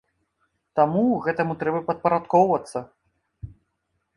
Таму гэтаму трэба падпарадкоўвацца.